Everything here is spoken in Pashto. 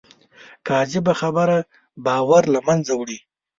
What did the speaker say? کاذبه خبره باور له منځه وړي